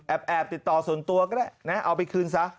แอบติดต่อส่วนตัวก็ได้นะเอาไปคืนซะ